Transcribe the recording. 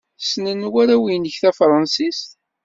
Ssnen warraw-nnek tafṛensist?